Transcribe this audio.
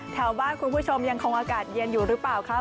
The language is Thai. แถวบ้านคุณผู้ชมยังคงอากาศเย็นอยู่หรือเปล่าครับ